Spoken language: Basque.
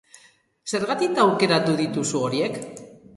Zergatik aukeratu dituzu horiek?